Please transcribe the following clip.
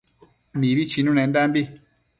Mibi chinunendambi